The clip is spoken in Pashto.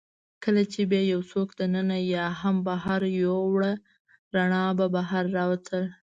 کله چي به يې یوڅوک دننه یا هم بهر یووړ، رڼا به بهر راوتل.